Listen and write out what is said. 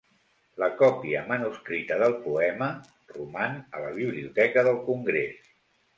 La còpia manuscrita del poema roman a la Biblioteca del Congrés.